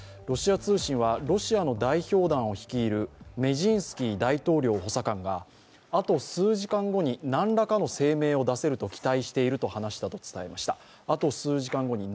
ロシア通信はロシアの代表団を率いるメジンスキー大統領補佐官があと数時間後になんらかの声明を出せると期待していると話したと伝えました。